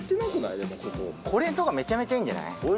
でもこここれとかめちゃめちゃいいんじゃない？